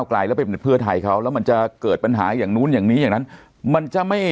ไกลแล้วไปเพื่อไทยเขาแล้วมันจะเกิดปัญหาอย่างนู้นอย่างนี้อย่างนั้นมันจะไม่